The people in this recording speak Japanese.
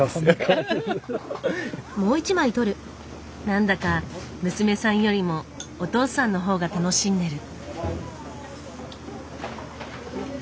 何だか娘さんよりもお父さんの方が楽しんでる。